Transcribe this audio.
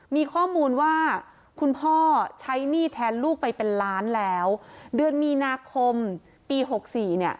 มีข้อมูลว่าคุณพ่อใช้หนี้แทนลูกไปเป็นล้านแล้วเดือนมีนาคมปีหกสี่เนี่ย